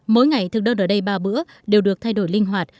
mỗi ngày thực đơn ở đây ba bữa đều được thay đổi linh hoạt